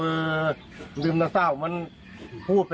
ก็เลยอยากให้หมอปลาเข้ามาช่วยหน่อยค่ะ